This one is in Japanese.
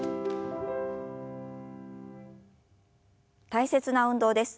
大切な運動です。